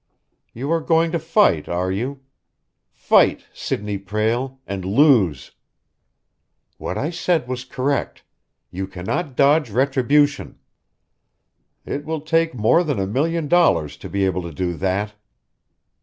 You are going to fight, are you? Fight, Sidney Prale and lose! What I said was correct you cannot dodge retribution. It will take more than a million dollars to be able to do that."